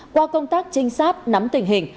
qua công tác trinh sát nắm tình hình